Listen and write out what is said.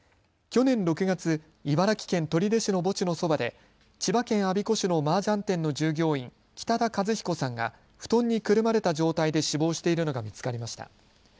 去年６月、茨城県取手市の墓地のそばで千葉県我孫子市のマージャン店の従業員北田和彦さんが布団にくるまれた状態で死亡しているのが見つかりました。